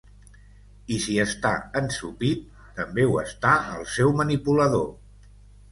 I si està ensopit, també ho està el seu manipulador.